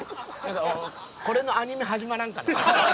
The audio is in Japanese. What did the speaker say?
これのアニメ、始まらんかな。